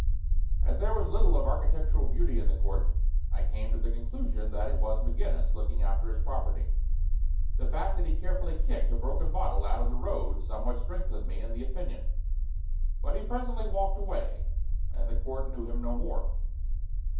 As there was little of architectural beauty in the court, I came to the conclusion that it was McGinnis looking after his property. The fact that he carefully kicked a broken bottle out of the road somewhat strengthened me in the opinion. But he presently walked away, and the court knew him no more.